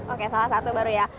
oke salah satu baru ya